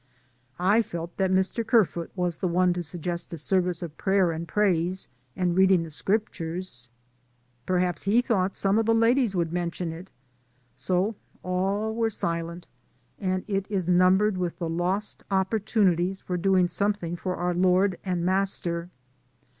I felt that Mr. Kerfoot was the one to sug gest a service of prayer and praise, and read ing the Scriptures. Perhaps he thought some of the ladies would mention it, so all were silent, and it is numbered with the lost op 30 DAYS ON THE ROAD. portunities for doing something for our Lord and Master.